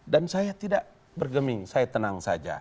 dan saya tidak bergeming saya tenang saja